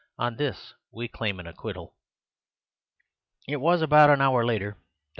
On this we claim an acquittal." It was about an hour later. Dr.